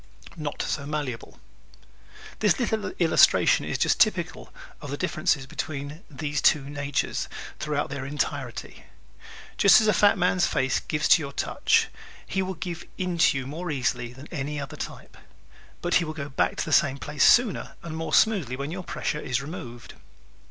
Not So Malleable ¶ This little illustration is typical of the differences between these two natures throughout their entirety. Just as the fat man's face gives to your touch, he will give in to you more easily than any other type; but he will go back to the same place sooner and more smoothly when your pressure is removed.